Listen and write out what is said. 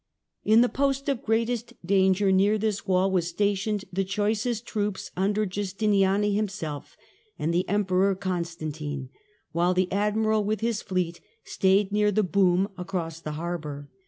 In the post of greatest danger near this wall were stationed the choicest troops under Justiniani himself and the Em peror Constantine; while the admiral with his fleet stayed near the boom across the harbour.